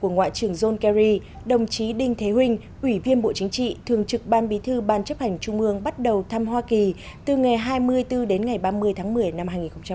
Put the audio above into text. ngoại trưởng john kerry đồng chí đinh thế vinh ủy viên bộ chính trị thường trực ban bí thư ban chấp hành trung ương bắt đầu thăm hoa kỳ từ ngày hai mươi bốn đến ngày ba mươi tháng một mươi năm hai nghìn hai mươi